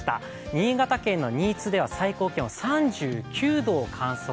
新潟県の新津では最高気温３９度を観測。